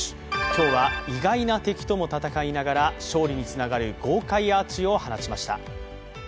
今日は意外な敵とも戦いながら、勝利につながる豪快アーチを放ちました。